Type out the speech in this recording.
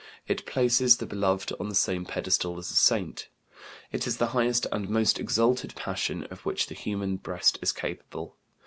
It places the beloved on the same pedestal as a saint. It is the highest and most exalted passion of which the human breast is capable.